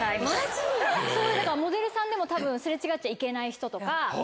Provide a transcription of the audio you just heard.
モデルさんでも多分擦れ違っちゃいけない人とか。